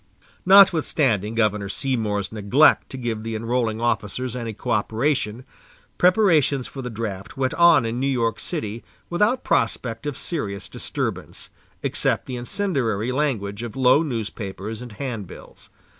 Notwithstanding Governor Seymour's neglect to give the enrolling officers any coöperation, preparations for the draft went on in New York city without prospect of serious disturbance, except the incendiary language of low newspapers and handbills.